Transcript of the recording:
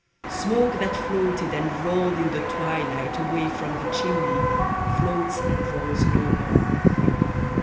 Smcdce diat floated and rolled in the twilight away from the chinmey Floats and rolls no more.